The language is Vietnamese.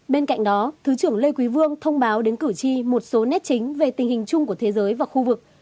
bên cạnh đó thứ trưởng lê quý vương thông báo đến cử tri một số nét chính về tình hình chung của thế giới và khu vực